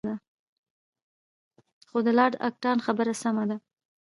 خو د لارډ اکټان خبره سمه ده.